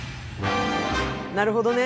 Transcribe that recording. なるほどね。